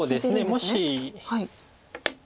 もし。